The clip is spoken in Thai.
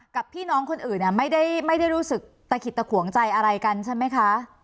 กับพี่น้องคนอื่นไม่ได้รู้สึกตะขิดตะขวงใจอะไรกันใช่ไหมคะ